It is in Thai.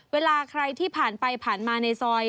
เวลาใครที่ผ่านไปผ่านมาในซอย